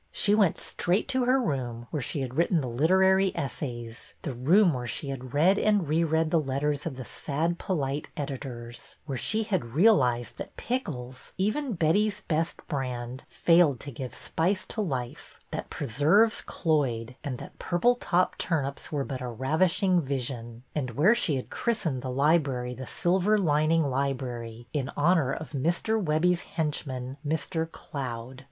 She went straight to her own room, where she had written the literary essays," — the room where she had read and reread the letters of the sad, polite editors ; where she had realized that pickles, even Betty's Best Brand, failed to give spice to life, that preserves cloyed, and that purple top tur nips were but a ravishing vision; and where she had christened the library the Silver lining Library," in honor of Mr. Webbie's henchman, Mr. Cloud.